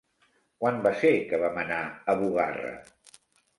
Quan va ser que vam anar a Bugarra?